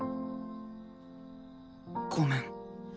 ごめん。